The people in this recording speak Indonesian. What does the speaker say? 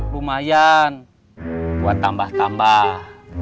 lumayan buat tambah tambah